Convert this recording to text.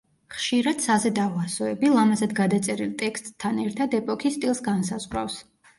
ხშირად საზედაო ასოები ლამაზად გადაწერილ ტექსტთან ერთად ეპოქის სტილს განსაზღვრავს.